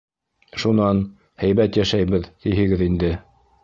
Шунан, һәйбәт йәшәйбеҙ, тиһегеҙ инде?